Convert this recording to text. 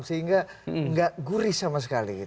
sehingga nggak gurih sama sekali